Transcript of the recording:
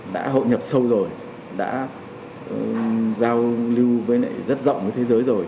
đã hội nhập sâu rồi đã giao lưu với rất rộng với thế giới rồi